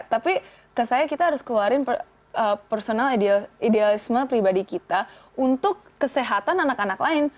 tapi ke saya kita harus keluarin personal idealisme pribadi kita untuk kesehatan anak anak lain